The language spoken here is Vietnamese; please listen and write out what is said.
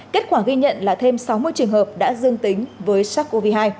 kết quả ghi nhận là thêm sáu mươi trường hợp đã dương tính với sars cov hai